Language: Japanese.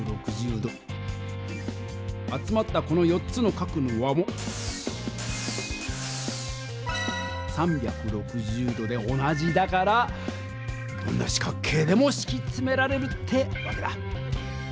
集まったこの４つの角の和も３６０度で同じだからどんな四角形でもしきつめられるってわけだ。